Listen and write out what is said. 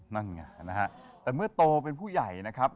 นั่นไงนะฮะแต่เมื่อโตเป็นผู้ใหญ่นะครับ